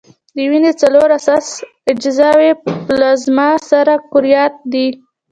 د وینې څلور اساسي اجزاوي پلازما، سره کرویات دي.